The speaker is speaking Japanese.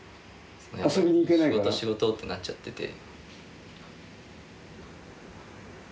仕事仕事ってなっちゃってて。